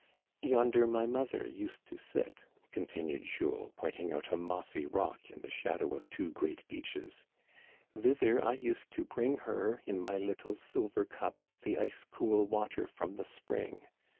Yonder my mother used to sit," continued Jules, pointing out a mossy rock in the shadow of two great beeches. " Thither I used to bring her in my little sil ver cup the ice cool water from the spring.